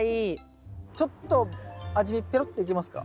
ちょっと味見ペロっていけますか？